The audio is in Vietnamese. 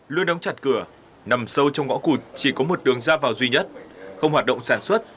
luôn đóng chặt cửa nằm sâu trong ngõ cụt chỉ có một đường ra vào duy nhất không hoạt động sản xuất